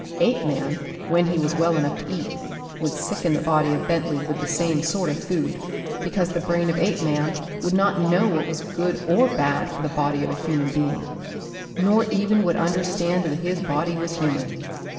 Apeman, when he was well enough to eat, would sicken the body of Bentley with the same sort of food, because the brain of Apeman would not know what was good or bad for the body of a human being nor even would understand that his body was human.